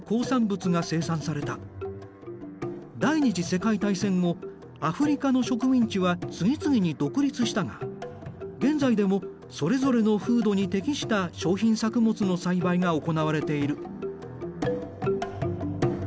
第２次世界大戦後アフリカの植民地は次々に独立したが現在でもそれぞれの風土に適した商品作物の栽培が行われている。